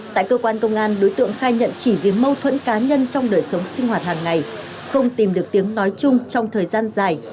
tại cơ quan công an đối tượng khai nhận chỉ vì mâu thuẫn cá nhân trong đời sống sinh hoạt hàng ngày không tìm được tiếng nói chung trong thời gian dài